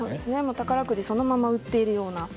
宝くじをそのまま売っているような。